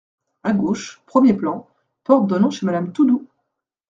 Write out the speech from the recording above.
A gauche, premier plan, porte donnant chez madame Toudoux.